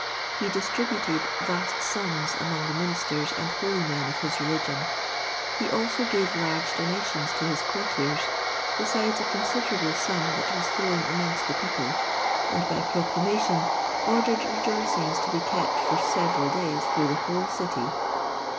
He distributed vast sums among the ministers and holy men of his religion. He also gave large donations to his courtiers, besides a considerable sum that was thrown amongst the people; and by proclamation, ordered rejoicings to be kept for several days through the whole city.